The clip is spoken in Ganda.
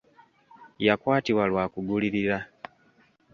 Yakwatibwa lwa kugulirira.